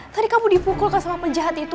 tadi kamu dipukulkan sama penjahat itu